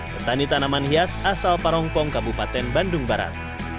petani tanaman hias asal parongpong kabupaten bandung barat